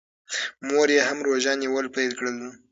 مور یې هم روژه نیول پیل کړل.